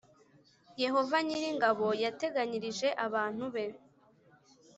Yehova nyir ingabo yateganyirije abantu be